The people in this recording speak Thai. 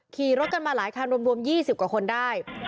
ขี่รถกันมาหลายคันรวม๒๐กว่าคนได้